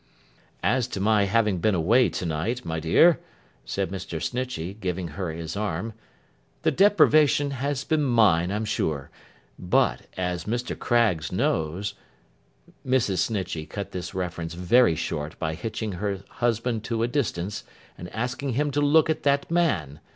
'As to my having been away to night, my dear,' said Mr. Snitchey, giving her his arm, 'the deprivation has been mine, I'm sure; but, as Mr. Craggs knows—' Mrs. Snitchey cut this reference very short by hitching her husband to a distance, and asking him to look at that man.